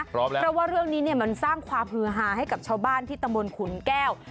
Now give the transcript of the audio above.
เพราะว่าเรื่องนี้มันสร้างความเฮือหาให้กับชาวบ้านที่ตะมนต์ขุนแก้ว